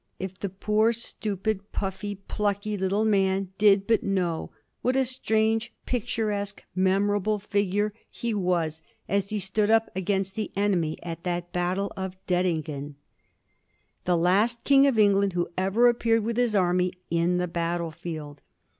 If the poor, stupid, puffy, plucky little man did but know what a strange, picturesque, memorable figure he was as he stood up against the enemy at that battle of Dettingen I 1743. GEORGE AT DETTINGEN. 183 The last king of England who ever appeared with his army in the battle field